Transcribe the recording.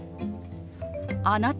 「あなた？」。